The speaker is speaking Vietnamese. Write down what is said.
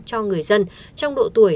trong độ tuổi tỉnh đồng nai